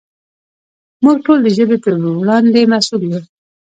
موږ ټول د ژبې په وړاندې مسؤل یو.